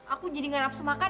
aku jadi gak nafsu makan